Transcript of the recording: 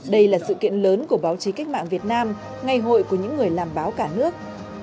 đây là sự kiện lớn của báo chí cách mạng việt nam ngày hội của những người làm báo cả nước